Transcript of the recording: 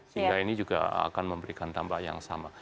sehingga ini juga akan memberikan dampak yang sama